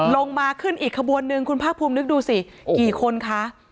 มาขึ้นอีกขบวนนึงคุณภาคภูมินึกดูสิกี่คนคะ